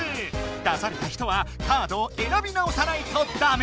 出された人はカードをえらび直さないとダメ。